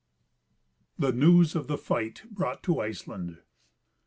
The News of the Fight brought to Iceland.